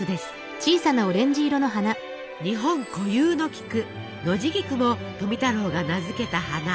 日本固有の菊ノジギクも富太郎が名付けた花。